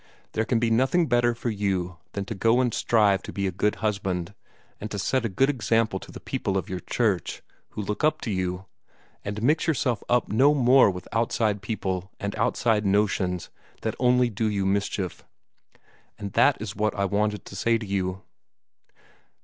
There can be nothing better for you than to go and strive to be a good husband, and to set a good example to the people of your Church, who look up to you and mix yourself up no more with outside people and outside notions that only do you mischief. And that is what I wanted to say to you."